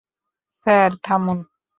Sir, থামুন।